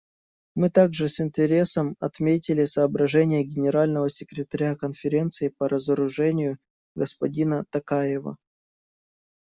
Мы также с интересом отметили соображения Генерального секретаря Конференции по разоружению господина Токаева.